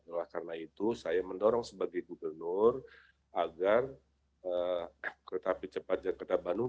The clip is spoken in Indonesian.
oleh karena itu saya mendorong sebagai gubernur agar kereta api cepat jakarta bandung